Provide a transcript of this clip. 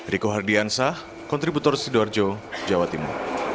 riko hardiansah kontributor sidoarjo jawa timur